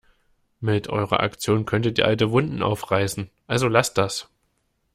Mit eurer Aktion könntet ihr alte Wunden aufreißen, also lasst das!